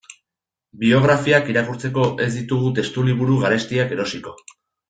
Biografiak irakurtzeko ez ditugu testuliburu garestiak erosiko.